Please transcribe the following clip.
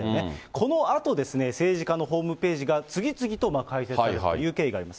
このあと、政治家のホームページが次々と開設されたという経緯があります。